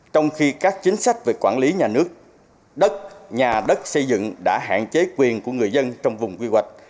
trong khi các chính sách về quản lý nhà nước đất nhà đất xây dựng đã hạn chế quyền của người dân trong vùng quy hoạch